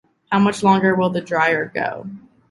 How much longer will the dryer go?